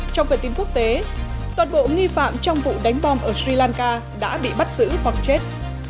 trong phần tin quốc tế toàn bộ nghi phạm trong vụ đánh bom ở sri lanka đã bị bắt giữ hoặc chết